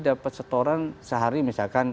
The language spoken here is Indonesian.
dapat setoran sehari misalkan